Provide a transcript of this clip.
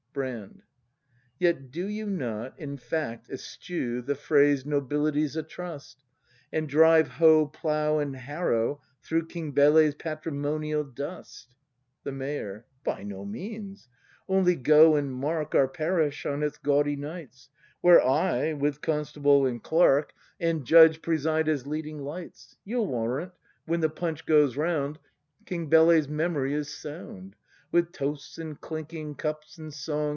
Brand. Yet do you not, in fact, eschew The phrase, "Nobility's a trust,"— And drive hoe, plough, and harrow through King Bele's patrimonial dust ? The Mayor. By no means. Only go and mark Our parish on its gaudy nights, Where I with Constable and Clerk, 130 BRAND [ACT in And Judge, preside as leading lights; You'll warrant, when the punch goes round. King Bele's memory is sound. With toasts and clinking cups and song.